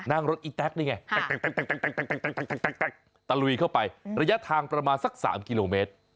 นั่งรถอีแต๊กนี่ไงแต่งตะลุยเข้าไประยะทางประมาณสัก๓กิโลเมตร